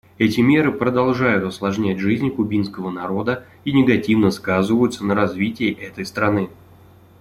Эти меры продолжают осложнять жизнь кубинского народа и негативно сказываются на развитии этой страны.